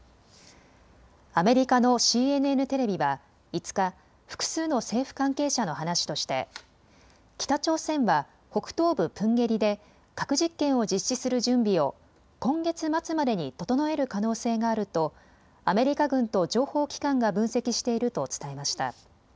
アメリカのＣＮＮテレビは５日、複数の政府関係者の話として北朝鮮は北東部プンゲリで核実験を実施する準備を今月末までに整える可能性があるとアメリカ軍と情報機関が分析していると伝えました。